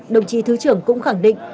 đồng chí thứ trưởng cũng khẳng định